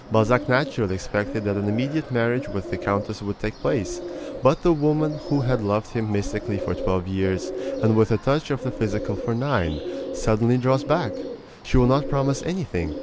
Balzac naturally expected that an immediate marriage with the countess would take place; but the woman who had loved him mystically for twelve years, and with a touch of the physical for nine, suddenly draws back. She will not promise anything.